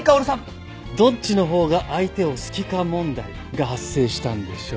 どっちの方が相手を好きか問題が発生したんでしょ？